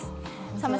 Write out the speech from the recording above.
寒さ